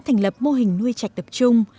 thành lập mô hình nuôi chạch tập trung